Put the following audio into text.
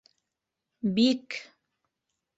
Бик